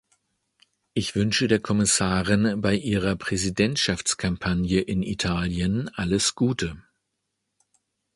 Ich wünsche der Kommissarin bei ihrer Präsidentschaftskampagne in Italien alles Gute.